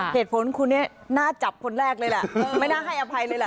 เหตุผลคุณนี่น่าจับคนแรกเลยล่ะไม่น่าให้อภัยเลยล่ะ